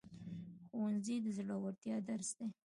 ښوونځی د زړورتیا درس دی